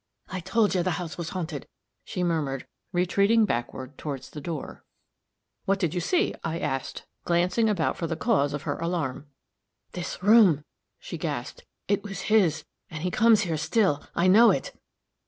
"I told you the house was haunted," she murmured, retreating backward toward the door. "What do you see?" I asked, glancing about for the cause of her alarm. "This room," she gasped "it was his and he comes here still. I know it!"